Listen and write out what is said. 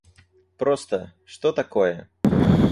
Просто… Что такое?